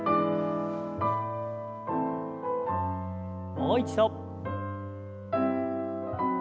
もう一度。